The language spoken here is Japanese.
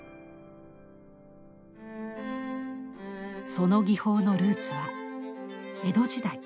その技法のルーツは江戸時代